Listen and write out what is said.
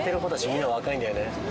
みんな若いんだよね。